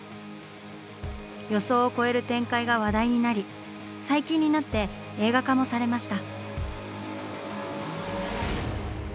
予想を超える展開が話題になり最近になって映画化もされました。